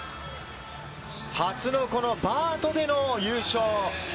初のこのバートでの優勝。